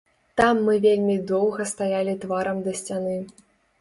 Там мы вельмі доўга стаялі тварам да сцяны.